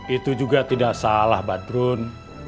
itu juga tidak salah badrun